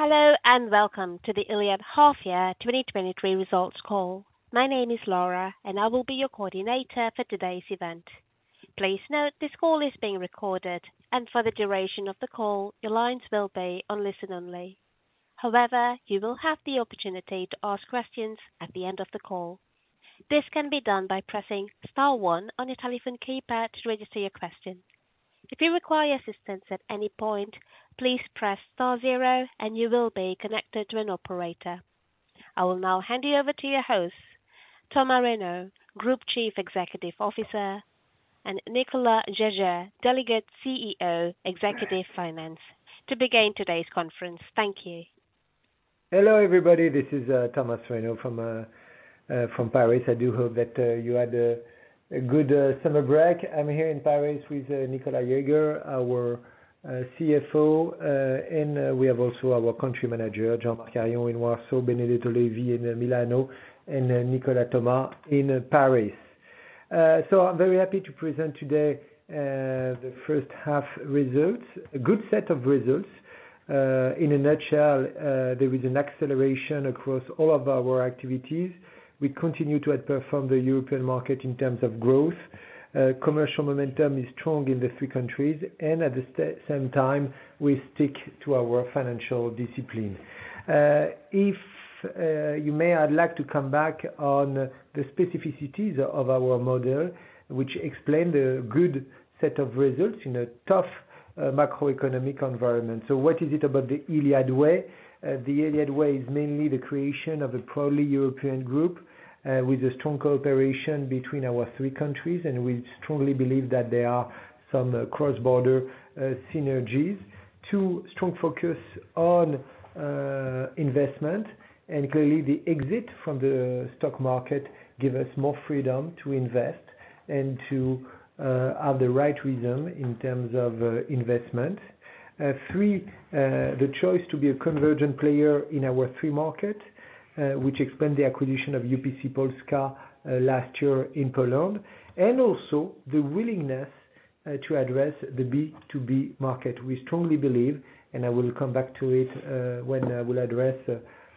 Hello, and welcome to the Iliad half year 2023 results call. My name is Laura, and I will be your coordinator for today's event. Please note, this call is being recorded, and for the duration of the call, your lines will be on listen only. However, you will have the opportunity to ask questions at the end of the call. This can be done by pressing star one on your telephone keypad to register your question. If you require assistance at any point, please press star zero and you will be connected to an operator. I will now hand you over to your host, Thomas Reynaud, Group Chief Executive Officer, and Nicolas Jaeger, Deputy CEO, Executive Finance, to begin today's conference. Thank you. Hello, everybody. This is Thomas Reynaud from Paris. I do hope that you had a good summer break. I'm here in Paris with Nicolas Jaeger, our CFO, and we have also our country manager, Jean-Marc Harion in Warsaw, Benedetto Levi in Milano, and Nicolas Thomas in Paris. So I'm very happy to present today the first half results. A good set of results. In a nutshell, there is an acceleration across all of our activities. We continue to outperform the European market in terms of growth. Commercial momentum is strong in the three countries, and at the same time, we stick to our financial discipline. If I may, I'd like to come back on the specificities of our model, which explain the good set of results in a tough macroeconomic environment. So what is it about the Iliad way? The Iliad way is mainly the creation of a proudly European group with a strong cooperation between our three countries, and we strongly believe that there are some cross-border synergies. Two, strong focus on investment, and clearly, the exit from the stock market give us more freedom to invest and to have the right rhythm in terms of investment. Three, the choice to be a convergent player in our three market, which explained the acquisition of UPC Polska last year in Poland, and also the willingness to address the B2B market. We strongly believe, and I will come back to it, when I will address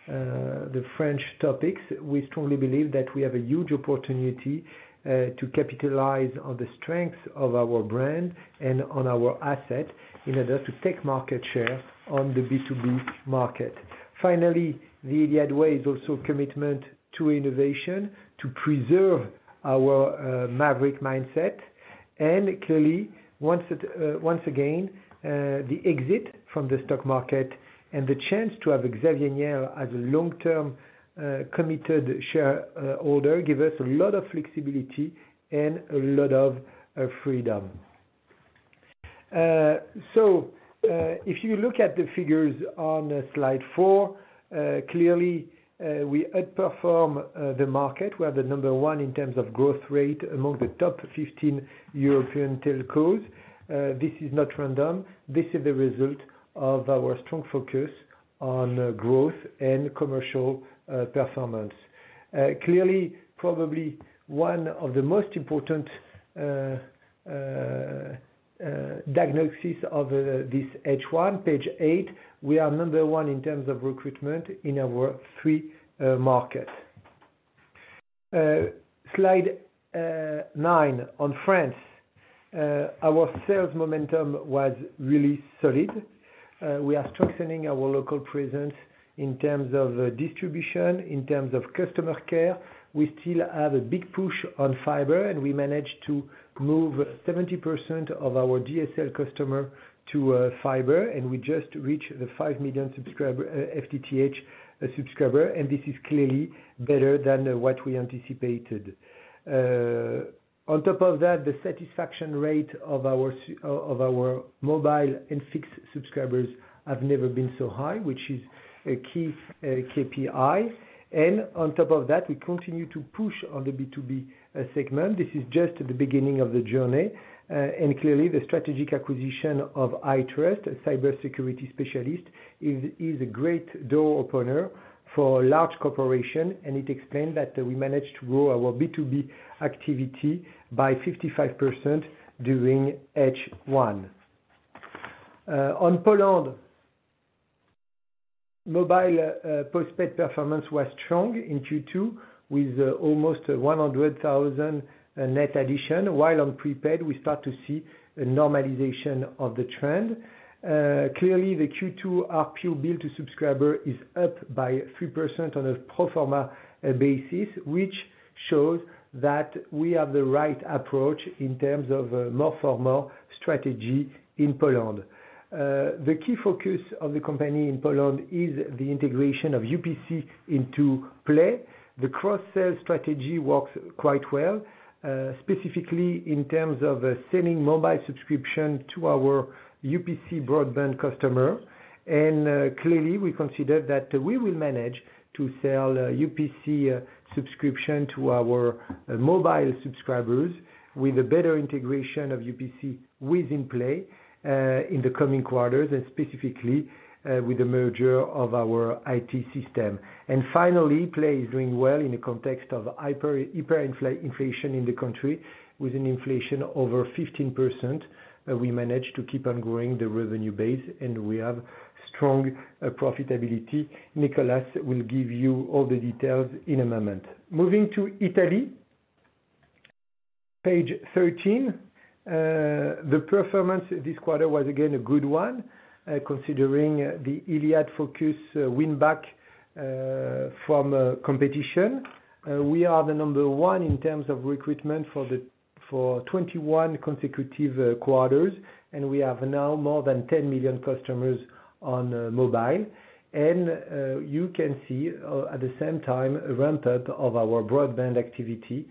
the French topics. We strongly believe that we have a huge opportunity, to capitalize on the strength of our brand and on our asset in order to take market share on the B2B market. Finally, the Iliad way is also commitment to innovation, to preserve our, maverick mindset, and clearly, once again, the exit from the stock market and the chance to have Xavier Niel as a long-term, committed shareholder, give us a lot of flexibility and a lot of, freedom. So, if you look at the figures on Slide four, clearly, we outperform the market. We are the number one in terms of growth rate among the top 15 European telcos. This is not random, this is the result of our strong focus on growth and commercial performance. Clearly, probably one of the most important diagnosis of this H1, page eight, we are number one in terms of recruitment in our three markets. Slide nine on France. Our sales momentum was really solid. We are strengthening our local presence in terms of distribution, in terms of customer care. We still have a big push on fiber, and we managed to move 70% of our DSL customer to fiber, and we just reached the 5 million subscriber, FTTH subscriber, and this is clearly better than what we anticipated. On top of that, the satisfaction rate of our mobile and fixed subscribers have never been so high, which is a key KPI. And on top of that, we continue to push on the B2B segment. This is just the beginning of the journey. And clearly, the strategic acquisition of iTrust, a cybersecurity specialist, is a great door opener for large corporation, and it explained that we managed to grow our B2B activity by 55% during H1. In Poland, mobile postpaid performance was strong in Q2 with almost 100,000 net addition. While on prepaid, we start to see a normalization of the trend. Clearly, the Q2 ARPU bill to subscriber is up by 3% on a pro forma basis, which shows that we have the right approach in terms of more for more strategy in Poland. The key focus of the company in Poland is the integration of UPC into Play. The cross-sell strategy works quite well, specifically in terms of selling mobile subscription to our UPC broadband customer. Clearly, we consider that we will manage to sell UPC subscription to our mobile subscribers with a better integration of UPC within Play in the coming quarters, and specifically with the merger of our IT system. Finally, Play is doing well in the context of hyperinflation in the country, with an inflation over 15%, we managed to keep on growing the revenue base, and we have strong profitability. Nicolas will give you all the details in a moment. Moving to Italy, page 13. The performance this quarter was again a good one, considering the Iliad focus, win back from competition. We are the number one in terms of recruitment for 21 consecutive quarters, and we have now more than 10 million customers on mobile. You can see, at the same time, a ramp up of our broadband activity,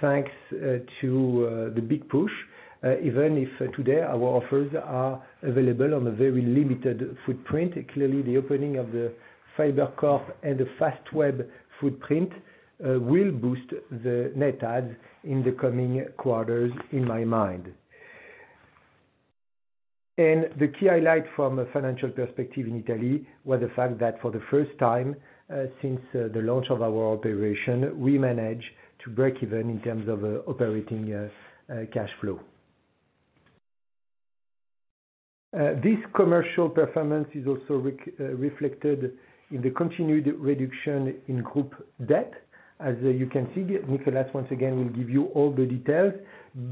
thanks to the big push, even if today our offers are available on a very limited footprint. Clearly, the opening of the FiberCop and the Fastweb footprint will boost the net adds in the coming quarters, in my mind. The key highlight from a financial perspective in Italy was the fact that for the first time since the launch of our operation, we managed to break even in terms of operating cash flow. This commercial performance is also reflected in the continued reduction in group debt. As you can see, Nicolas, once again, will give you all the details,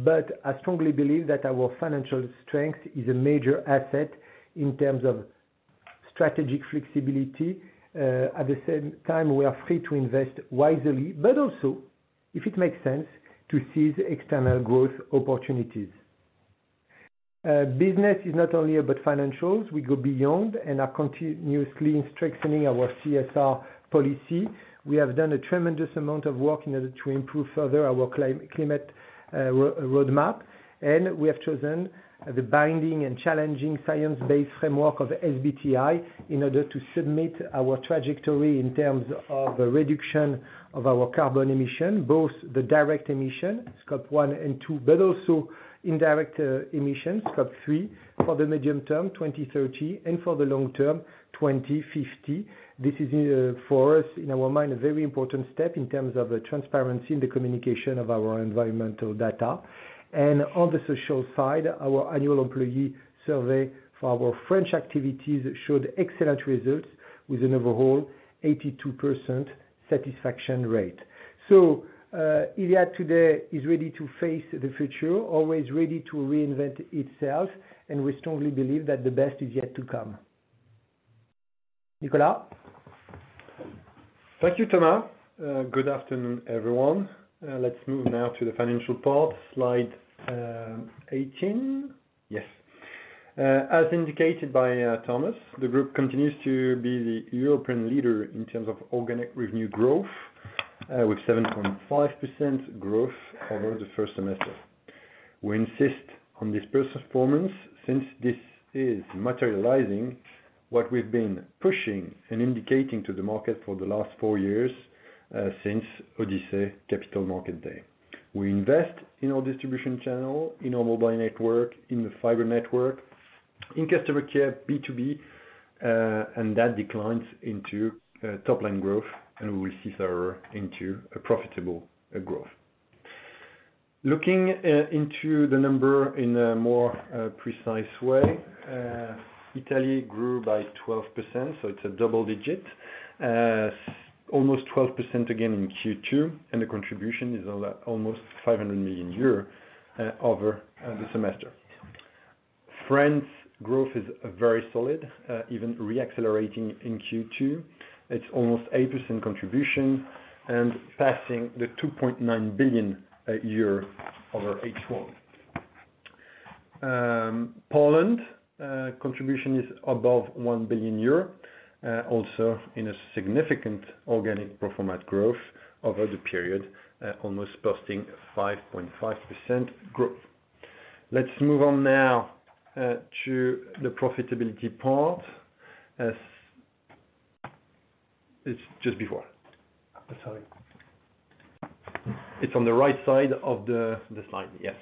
but I strongly believe that our financial strength is a major asset in terms of strategic flexibility. At the same time, we are free to invest wisely, but also, if it makes sense to seize external growth opportunities. Business is not only about financials. We go beyond and are continuously strengthening our CSR policy. We have done a tremendous amount of work in order to improve further our climate roadmap, and we have chosen the binding and challenging science-based framework of SBTi in order to submit our trajectory in terms of the reduction of our carbon emission, both the direct emission, Scope 1 and 2, but also indirect emission, Scope 3, for the medium term, 2030, and for the long term, 2050. This is, for us, in our mind, a very important step in terms of the transparency in the communication of our environmental data. And on the social side, our annual employee survey for our French activities showed excellent results with an overall 82% satisfaction rate. So, Iliad today is ready to face the future, always ready to reinvent itself, and we strongly believe that the best is yet to come. Nicolas? Thank you, Thomas. Good afternoon, everyone. Let's move now to the financial part. Slide 18. Yes. As indicated by Thomas, the group continues to be the European leader in terms of organic revenue growth, with 7.5% growth over the first semester. We insist on this first performance since this is materializing what we've been pushing and indicating to the market for the last four years, since Odyssey Capital Market Day. We invest in our distribution channel, in our mobile network, in the fiber network, in customer care, B2B, and that declines into top line growth, and we will see further into a profitable growth. Looking into the number in a more precise way, Italy grew by 12%, so it's a double digit. Almost 12% again in Q2, and the contribution is all at almost 500 million euros over the semester. France growth is very solid, even re-accelerating in Q2. It's almost 8% contribution and passing the 2.9 billion a year over H1. Poland contribution is above 1 billion euro, also in a significant organic pro forma growth over the period, almost boasting 5.5% growth. Let's move on now to the profitability part. It's just before, sorry. It's on the right side of the slide, yes.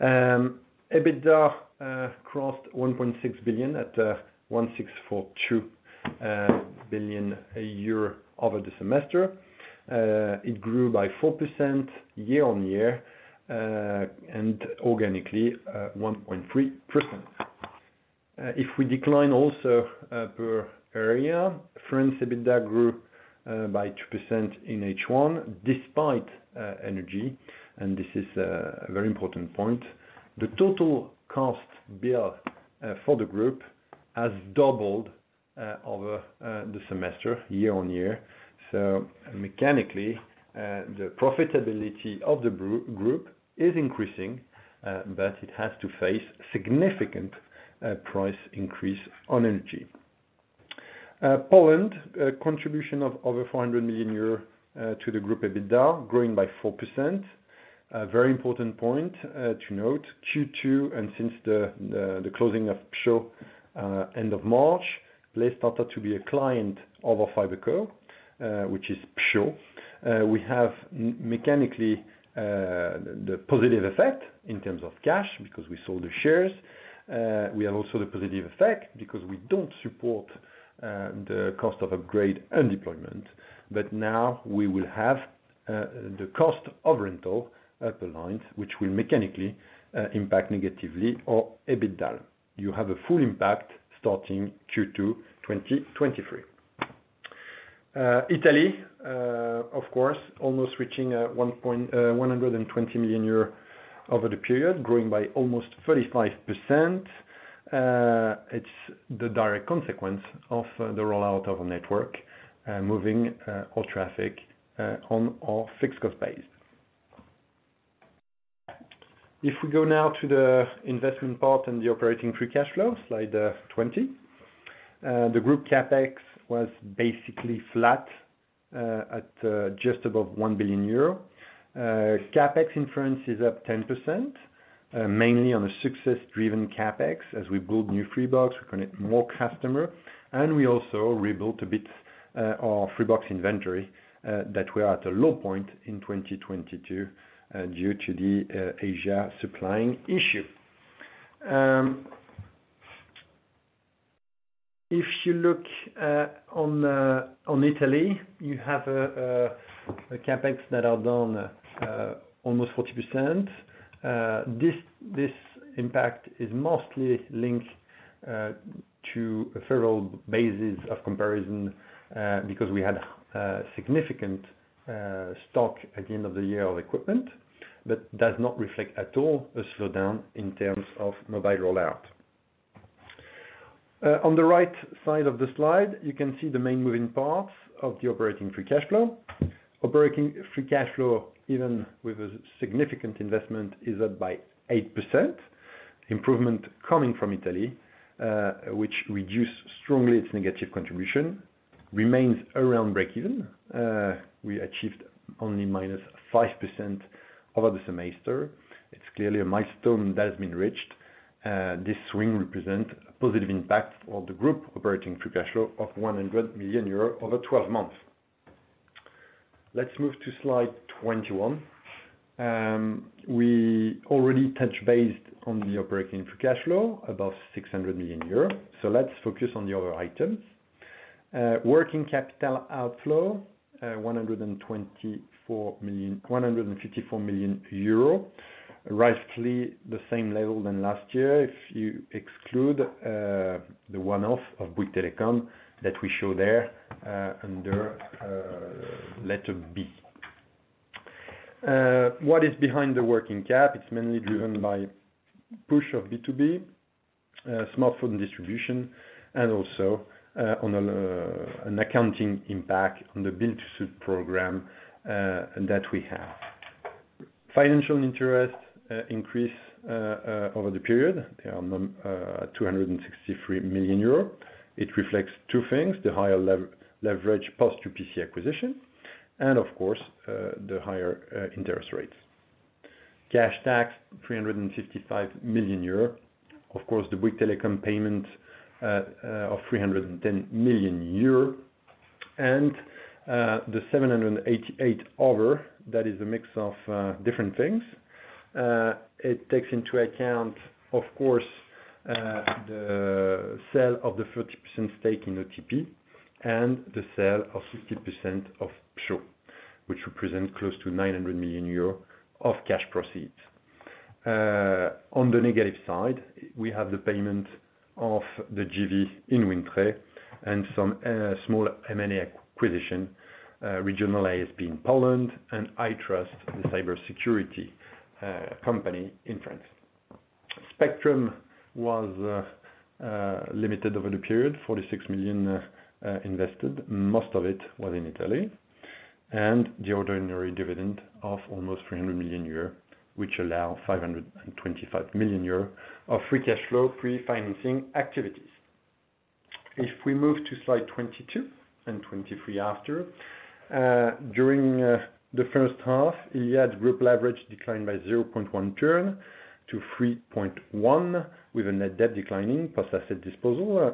EBITDA crossed 1.6 billion at 1.642 billion a year over the semester. It grew by 4% year-on-year, and organically 1.3%. If we drill down also per area, France EBITDA grew by 2% in H1, despite energy, and this is a very important point. The total cost bill for the group has doubled over the semester year-over-year. So mechanically, the profitability of the group is increasing, but it has to face significant price increase on energy. Poland, a contribution of over 400 million euros to the group EBITDA, growing by 4%. A very important point to note, Q2 and since the closing of Światłowód end of March, Play started to be a client of a fiberco, which is Światłowód. We have mechanically the positive effect in terms of cash, because we sold the shares. We have also the positive effect because we don't support the cost of upgrade and deployment, but now we will have the cost of rental per line, which will mechanically impact negatively on EBITDA. You have a full impact starting Q2 2023. Italy, of course, almost reaching 120 million euros over the period, growing by almost 35%. It's the direct consequence of the rollout of a network moving all traffic on our fixed cost base. If we go now to the investment part and the operating free cash flow slide 20. The group CapEx was basically flat at just above 1 billion euro. CapEx in France is up 10%, mainly on a success-driven CapEx. As we build new Freebox, we connect more customer, and we also rebuilt a bit our Freebox inventory that we are at a low point in 2022 due to the Asia supplying issue. If you look on Italy, you have a CapEx that are down almost 40%. This impact is mostly linked to a several basis of comparison because we had significant stock at the end of the year of equipment. But does not reflect at all a slowdown in terms of mobile rollout. On the right side of the slide, you can see the main moving parts of the operating free cash flow. Operating free cash flow, even with a significant investment, is up by 8%. Improvement coming from Italy, which reduce strongly its negative contribution, remains around breakeven. We achieved only -5% over the semester. It's clearly a milestone that has been reached. This swing represent a positive impact of the group operating free cash flow of 100 million euros over 12 months. Let's move to slide 21. We already touch based on the operating free cash flow, above 600 million euros. So let's focus on the other items. Working capital outflow, 124 million, 154 million euros, roughly the same level than last year, if you exclude the one-off of Bouygues Telecom that we show there, under letter B. What is behind the working cap? It's mainly driven by push of B2B, smartphone distribution, and also on an accounting impact on the build-to-suit program that we have. Financial interest increase over the period, 263 million euros. It reflects two things, the higher leverage post-UPC acquisition, and of course, the higher interest rates. Cash tax, 355 million euro. Of course, the Bouygues Telecom payment of 310 million euro, and the 788 other, that is a mix of different things. It takes into account, of course, the sale of the 30% stake in OTP, and the sale of 50% of Pro, which represent close to 900 million euros of cash proceeds. On the negative side, we have the payment of the JV in Wind Tre, and some small M&A acquisition, regional ISP in Poland, and iTrust, the cybersecurity company in France. Spectrum was limited over the period, 46 million invested, most of it was in Italy, and the ordinary dividend of almost 300 million euros, which allow 525 million euros of free cash flow, pre-financing activities. If we move to slide 22 and 23 after. During the first half, Iliad Group leverage declined by 0.1 turn to 3.1, with a net debt declining plus asset disposal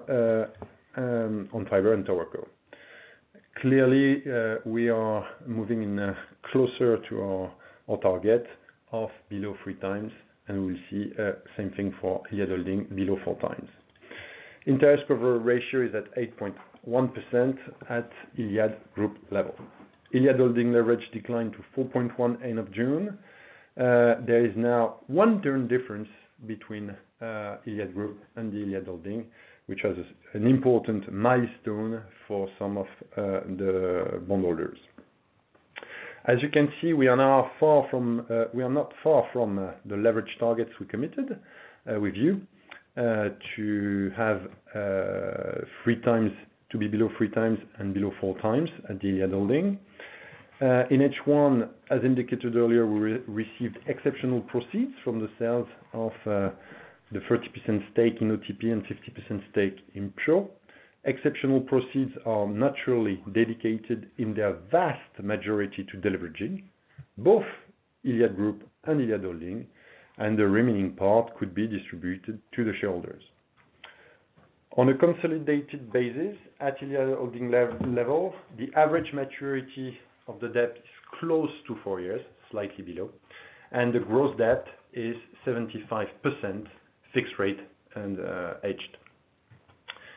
on fiber and tower co. Clearly, we are moving in closer to our target of below 3x, and we'll see same thing for Iliad holding below 4x. Interest cover ratio is at 8.1% at Iliad Group level. Iliad Holding leverage declined to 4.1, end of June. There is now one turn difference between Iliad Group and the Iliad Holding, which is an important milestone for some of the bondholders. As you can see, we are now far from, we are not far from the leverage targets we committed with you to have three to be below 3x and below 4x at the Iliad Holding. In H1, as indicated earlier, we received exceptional proceeds from the sales of the 30% stake in OTP and 50% stake in Pro. Exceptional proceeds are naturally dedicated in their vast majority to deleveraging, both Iliad Group and Iliad Holding, and the remaining part could be distributed to the shareholders. On a consolidated basis, at Iliad holding level, the average maturity of the debt is close to four years, slightly below, and the gross debt is 75% fixed rate and hedged.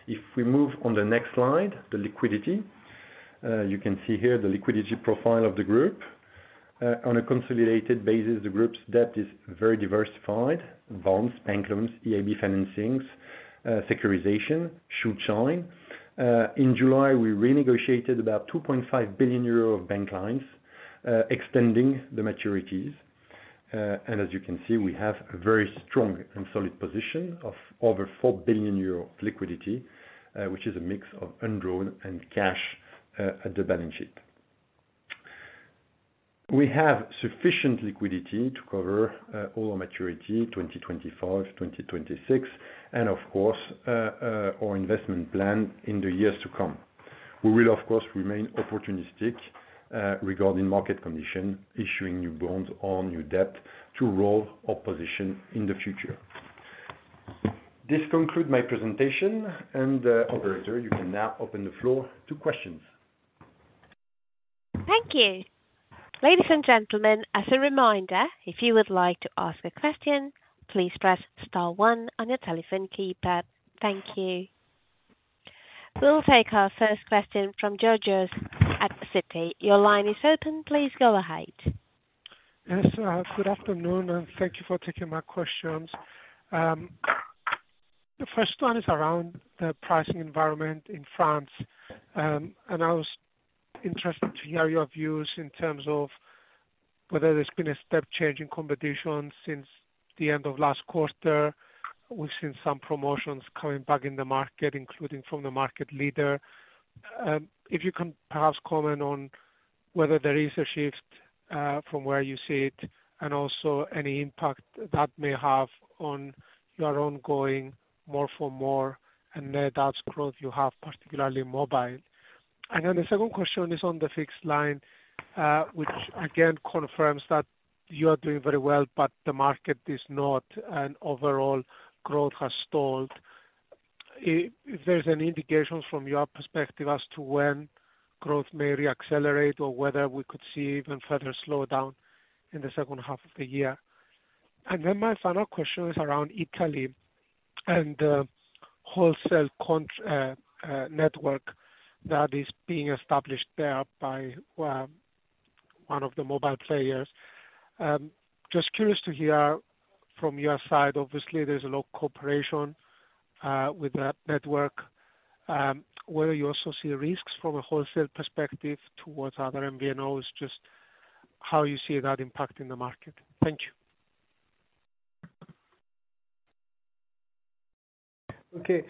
If we move on the next slide, the liquidity. You can see here the liquidity profile of the group. On a consolidated basis, the group's debt is very diversified, bonds, bank loans, EIB financings, securitization, Schuldschein. In July, we renegotiated about 2.5 billion euro of bank lines, extending the maturities. And as you can see, we have a very strong and solid position of over 4 billion euro liquidity, which is a mix of undrawn and cash, at the balance sheet. We have sufficient liquidity to cover, all our maturity, 2025, 2026, and of course, our investment plan in the years to come. We will, of course, remain opportunistic, regarding market condition, issuing new bonds or new debt to roll our position in the future. This conclude my presentation, and operator, you can now open the floor to questions. Thank you. Ladies and gentlemen, as a reminder, if you would like to ask a question, please press star one on your telephone keypad. Thank you. We'll take our first question from Georgios at Citi. Your line is open. Please go ahead. Yes, good afternoon, and thank you for taking my questions. The first one is around the pricing environment in France. And I was interested to hear your views in terms of whether there's been a step change in competition since the end of last quarter. We've seen some promotions coming back in the market, including from the market leader. If you can perhaps comment on whether there is a shift, from where you see it, and also any impact that may have on your ongoing more for more and net growth you have, particularly mobile. And then the second question is on the fixed line, which again confirms that you are doing very well, but the market is not, and overall growth has stalled. If there's any indications from your perspective as to when growth may reaccelerate, or whether we could see even further slowdown in the second half of the year? And then my final question is around Italy and wholesale core network that is being established there by one of the mobile players. Just curious to hear from your side, obviously, there's close cooperation with that network. Whether you also see risks from a wholesale perspective towards other MVNOs, just how you see that impacting the market. Thank you. Okay,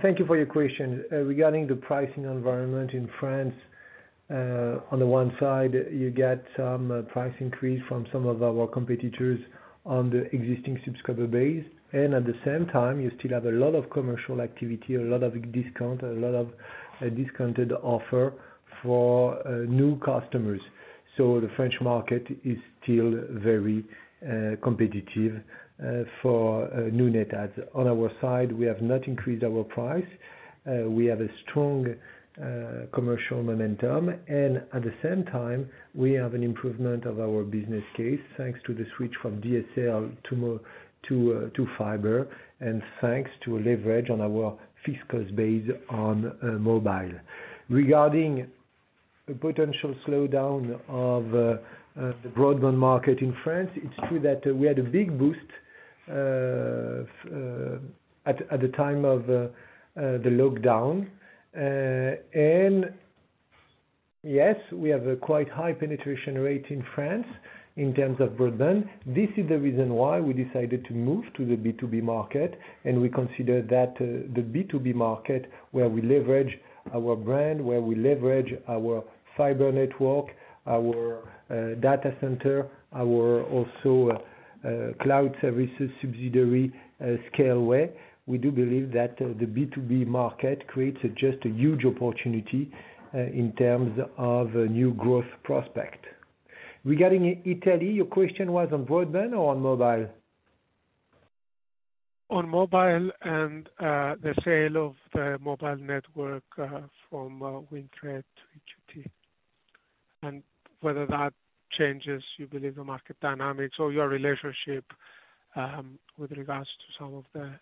thank you for your question. Regarding the pricing environment in France, on the one side, you get some price increase from some of our competitors on the existing subscriber base. And at the same time, you still have a lot of commercial activity, a lot of discount, a lot of discounted offer for new customers. So the French market is still very competitive for new net adds. On our side, we have not increased our price. We have a strong commercial momentum, and at the same time, we have an improvement of our business case, thanks to the switch from DSL to fiber, and thanks to a leverage on our fixed cost base on mobile. Regarding a potential slowdown of the broadband market in France, it's true that we had a big boost at the time of the lockdown. Yes, we have a quite high penetration rate in France in terms of broadband. This is the reason why we decided to move to the B2B market, and we consider that the B2B market, where we leverage our brand, where we leverage our fiber network, our data center, also our cloud services subsidiary, Scaleway. We do believe that the B2B market creates just a huge opportunity in terms of a new growth prospect. Regarding Italy, your question was on broadband or on mobile? On mobile, and the sale of the mobile network from Wind Tre to EQT, and whether that changes you believe the market dynamics or your relationship with regards to some of the-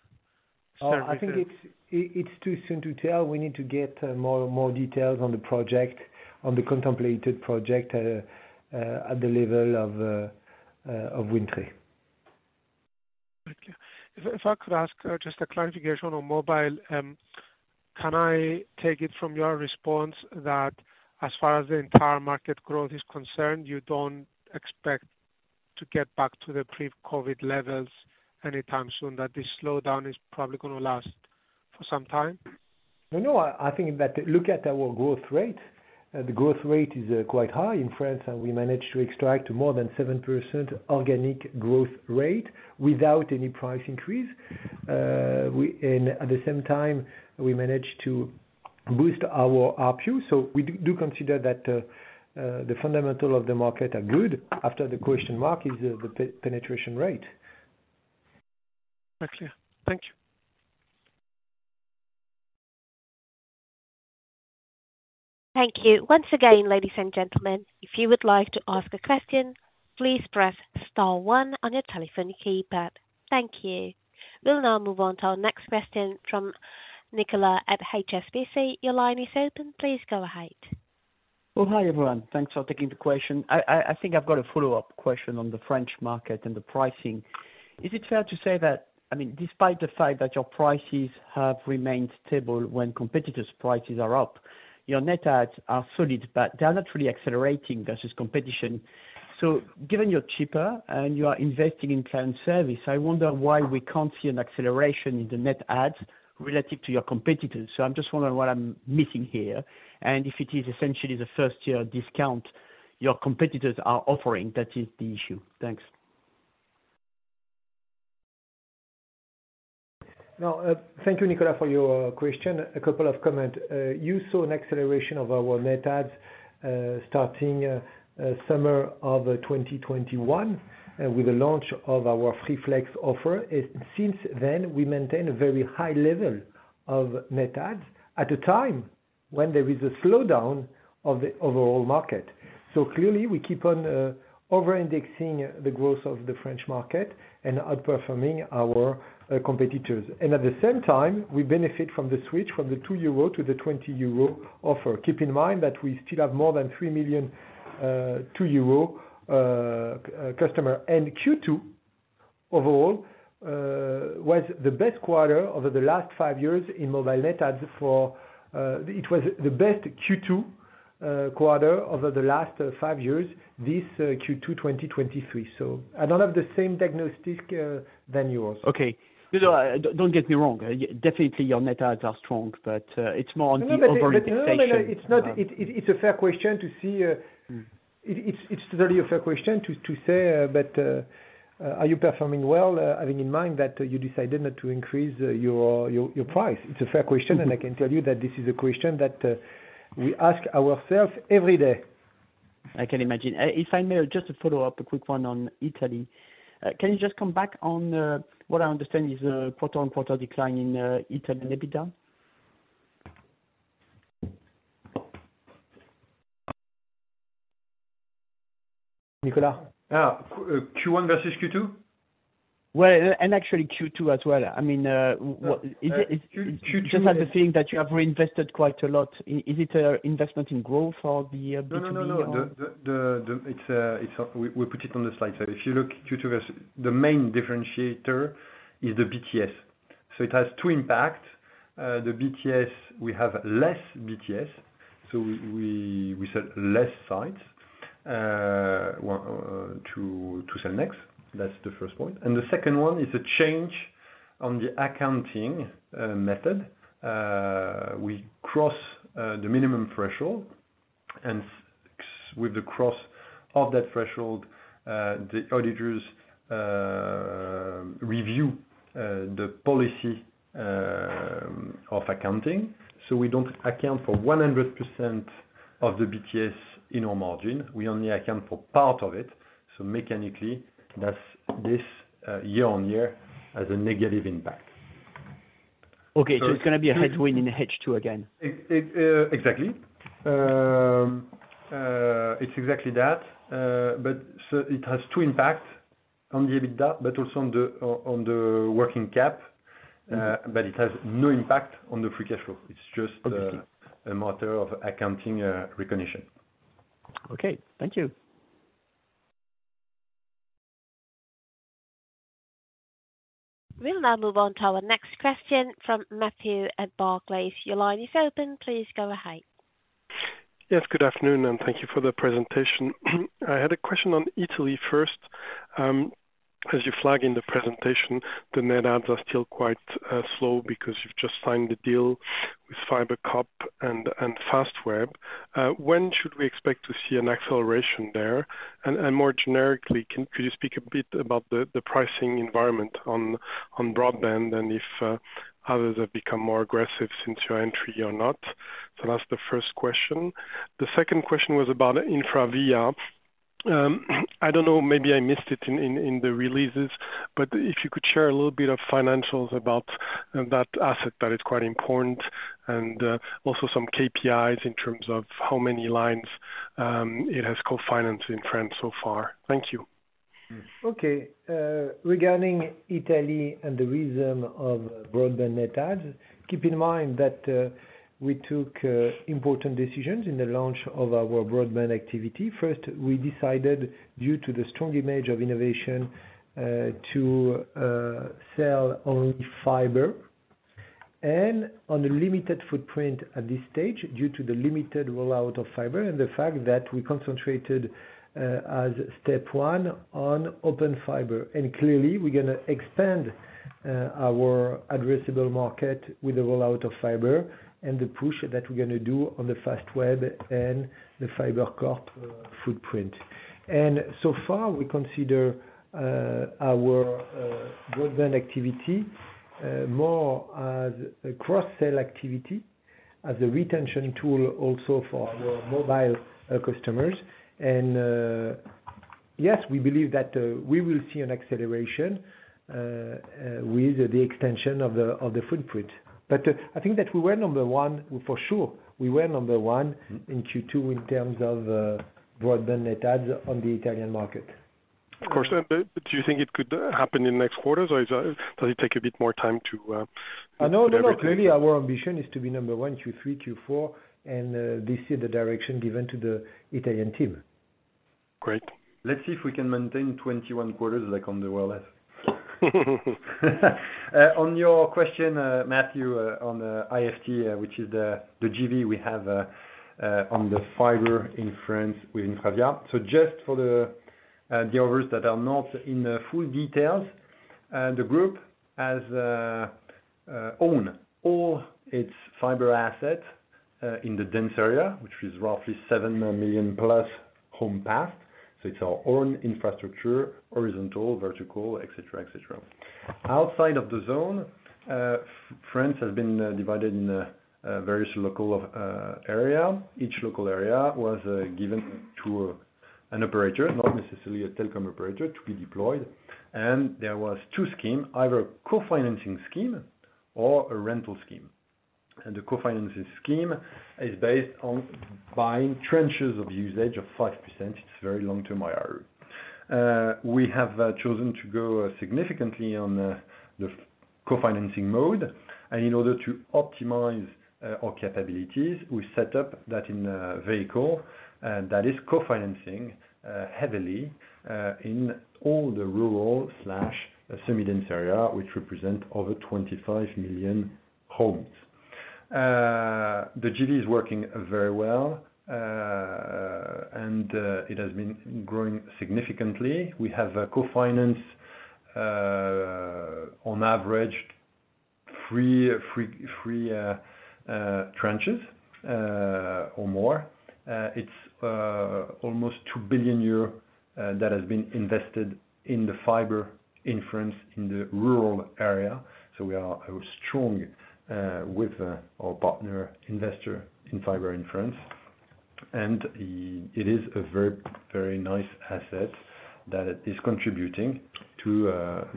Oh, I think it's too soon to tell. We need to get more details on the project, on the contemplated project, at the level of Wind Tre. Thank you. If I could ask, just a clarification on mobile, can I take it from your response that as far as the entire market growth is concerned, you don't expect to get back to the pre-COVID levels anytime soon, that this slowdown is probably gonna last for some time? No, no, I think that, look at our growth rate. The growth rate is quite high in France, and we managed to extract more than 7% organic growth rate without any price increase. And at the same time, we managed to boost our PU. So we do consider that the fundamental of the market are good. After the question mark is the penetration rate. Clear. Thank you. Thank you. Once again, ladies and gentlemen, if you would like to ask a question, please press star one on your telephone keypad. Thank you. We'll now move on to our next question from Nicola at HSBC. Your line is open. Please go ahead. Oh, hi, everyone. Thanks for taking the question. I think I've got a follow-up question on the French market and the pricing. Is it fair to say that, I mean, despite the fact that your prices have remained stable when competitors' prices are up, your net adds are solid, but they are not really accelerating versus competition? So given you're cheaper and you are investing in client service, I wonder why we can't see an acceleration in the net adds relative to your competitors. So I'm just wondering what I'm missing here, and if it is essentially the first-year discount your competitors are offering, that is the issue. Thanks. No, thank you, Nicola, for your question. A couple of comments. You saw an acceleration of our net adds starting summer of 2021 with the launch of our Free Flex offer. And since then, we maintain a very high level of net adds at a time when there is a slowdown of the overall market. So clearly we keep on over-indexing the growth of the French market and outperforming our competitors. And at the same time, we benefit from the switch from the 2 euro to the 20 euro offer. Keep in mind that we still have more than 3 million 2 euro customers. And Q2, overall, was the best quarter over the last five years in mobile net adds for, It was the best Q2 quarter over the last five years, this Q2 2023. So I don't have the same diagnosis than yours. Okay. No, no, don't get me wrong. Definitely your net adds are strong, but it's more on the over-indexation. No, but no, no, no, it's not. It's a fair question to see. It's really a fair question to say, but are you performing well, having in mind that you decided not to increase your price? It's a fair question, and I can tell you that this is a question that we ask ourselves every day. I can imagine. If I may, just to follow up, a quick one on Italy. Can you just come back on what I understand is a quarter-on-quarter decline in Italy EBITDA? Nicola? Ah, Q1 versus Q2? Well, and actually Q2 as well. I mean, Uh, Q2- Is it, it's just had the feeling that you have reinvested quite a lot. Is it a investment in growth for the year B2B- No, no, no. It's, we put it on the slide. So if you look Q2 versus. The main differentiator is the BTS. So it has two impact. The BTS, we have less BTS, so we sell less sites, one to sell next. That's the first point. And the second one is a change on the accounting method. We cross the minimum threshold, and with the cross of that threshold, the auditors review the policy of accounting. So we don't account for 100% of the BTS in our margin. We only account for part of it. So mechanically, that's this year-over-year, as a negative impact. Okay. So it's gonna be a headwind in the H2 again? Exactly. It's exactly that. But so it has two impacts on the EBITDA, but also on the working cap. It has no impact on the free cash flow. Okay. It's just a matter of accounting recognition. Okay. Thank you. We'll now move on to our next question from Mathieu at Barclays. Your line is open. Please go ahead. Yes, good afternoon, and thank you for the presentation. I had a question on Italy first. As you flag in the presentation, the net adds are still quite slow because you've just signed the deal with FibreCop and Fastweb. When should we expect to see an acceleration there? And more generically, could you speak a bit about the pricing environment on broadband and if others have become more aggressive since your entry or not? So that's the first question. The second question was about Infravia. I don't know, maybe I missed it in the releases, but if you could share a little bit of financials about that asset, that is quite important, and also some KPIs in terms of how many lines it has co-finance in France so far. Thank you. Okay. Regarding Italy and the rhythm of broadband Net Adds, keep in mind that we took important decisions in the launch of our broadband activity. First, we decided, due to the strong image of innovation, to sell only fiber and on a limited footprint at this stage, due to the limited rollout of fiber, and the fact that we concentrated, as step one on Open Fiber. And clearly, we're gonna expand our addressable market with the rollout of fiber and the push that we're gonna do on the Fastweb and the FibreCop footprint. And so far, we consider our broadband activity more as a cross-sell activity, as a retention tool also for our mobile customers. And- Yes, we believe that we will see an acceleration with the extension of the footprint. But I think that we were number one, for sure. We were number one in Q2, in terms of broadband net ads on the Italian market. Of course. Do you think it could happen in next quarters, or is, does it take a bit more time to, No, no, no. Clearly our ambition is to be number one, Q3, Q4, and this is the direction given to the Italian team. Great. Let's see if we can maintain 21 quarters, like on the wireless. On your question, Matthew, on IFT, which is the JV we have on the fiber in France with Infravia. So just for the others that are not in the full details, the group has own all its fiber assets in the dense area, which is roughly 7 million plus homes passed. So it's our own infrastructure, horizontal, vertical, et cetera, et cetera. Outside of the zone, France has been divided in various local area. Each local area was given to an operator, not necessarily a telecom operator, to be deployed. And there was two scheme, either co-financing scheme or a rental scheme. And the co-financing scheme is based on buying tranches of usage of 5%. It's very long-term IRU. We have chosen to go significantly on the co-financing mode. In order to optimize our capabilities, we set up that in a vehicle that is co-financing heavily in all the rural/semi-dense area, which represent over 25 million homes. The JV is working very well, and it has been growing significantly. We have a co-finance on average three tranches or more. It's almost 2 billion euros that has been invested in the fiber in France, in the rural area. So we are strong with our partner investor in fiber in France. It is a very, very nice asset that it is contributing to,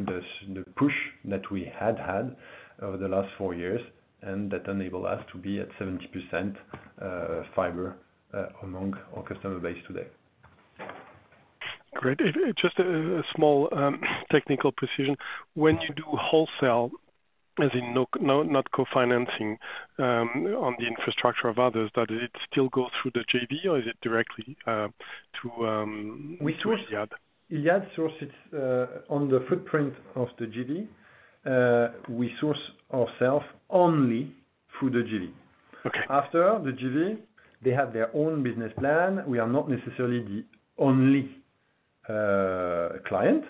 the push that we had had over the last four years, and that enable us to be at 70% fiber among our customer base today. Great. Just a small technical precision. When you do wholesale, as in no, no, not co-financing, on the infrastructure of others, does it still go through the JV or is it directly to? We source- Iliad? Iliad source it, on the footprint of the JV. We source ourself only through the JV. Okay. After the JV, they have their own business plan. We are not necessarily the only client,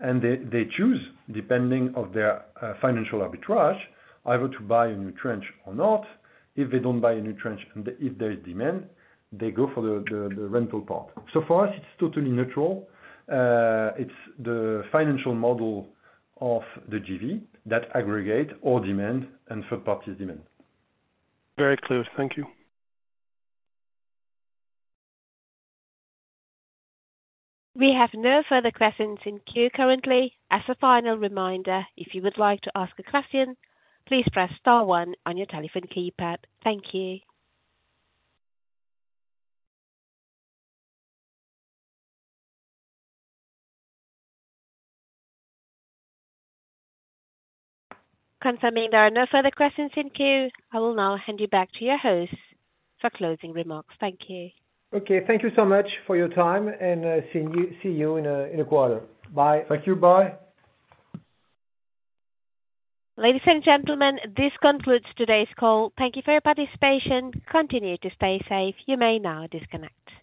and they choose depending of their financial arbitrage, either to buy a new tranche or not. If they don't buy a new tranche, and if there is demand, they go for the rental part. So for us, it's totally neutral. It's the financial model of the JV that aggregate all demand, and for third party demand. Very clear. Thank you. We have no further questions in queue currently. As a final reminder, if you would like to ask a question, please press star one on your telephone keypad. Thank you. Confirming there are no further questions in queue, I will now hand you back to your host for closing remarks. Thank you. Okay. Thank you so much for your time, and see you, see you in a quarter. Bye. Thank you. Bye. Ladies and gentlemen, this concludes today's call. Thank you for your participation. Continue to stay safe. You may now disconnect.